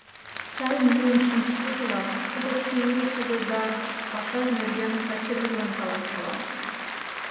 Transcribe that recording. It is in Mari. Чайым йӱын шинчышыжла, тудо шке илышыже да пашаж нерген Качырийлан каласкала.